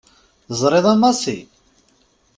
Teẓriḍ a Massi.